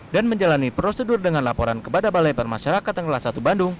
dan menjalani prosedur dengan laporan kepada balai permasyarakatan kelas satu bandung